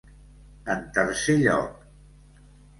En tercer lloc.